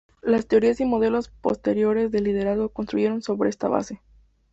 Las teorías y modelos posteriores del liderazgo construyeron sobre esta base.